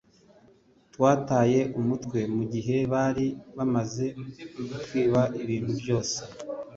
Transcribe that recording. twataye umutwe mugihe bari bamaze kutwiba ibintu byose